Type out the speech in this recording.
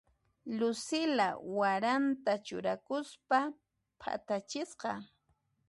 Lucila waranta churakuspa phatachisqa.